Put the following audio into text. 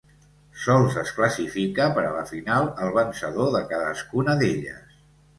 Sols es classifica per a la final el vencedor de cadascuna d'elles.